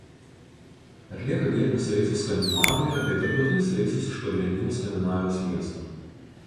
Atlieka vietinius reisus Skandinavijoje bei tarptautinius reisus iš pagrindinių Skandinavijos miestų.